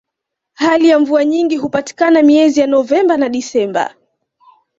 hali ya mvua nyingi hupatikana miezi ya novemba na desemba